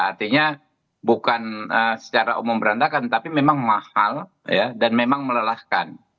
artinya bukan secara umum berantakan tapi memang mahal dan memang melelahkan